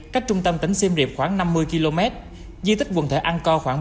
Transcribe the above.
cách trung tâm tỉnh simreap khoảng năm mươi km di tích quần thể angkor khoảng bốn mươi km